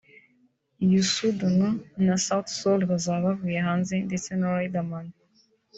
Youssou N’Dou na Sauti Sol bazaba bavuye hanze ndetse na Riderman